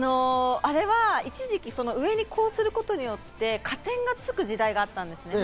あれは一時期、上にこうすることによって加点がつく時代があったんです。